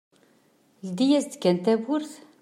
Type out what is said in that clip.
Ldi-yas-d kan tawwurt.